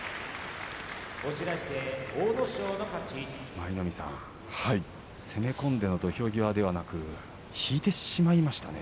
舞の海さん、攻め込んでの土俵際ではなく引いてしまいましたね。